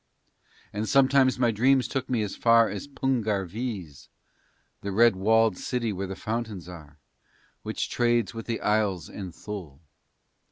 And sometimes my dreams took me as far as Pungar Vees, the red walled city where the fountains are, which trades with the Isles and Thul.